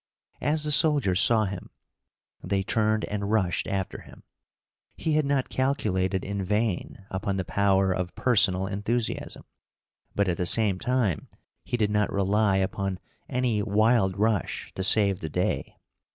As the soldiers saw him, they turned and rushed after him. He had not calculated in vain upon the power of personal enthusiasm, but, at the same time, he did not rely upon any wild rush to save the day.